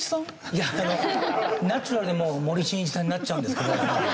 いやあのナチュラルにもう森進一さんになっちゃうんですけど。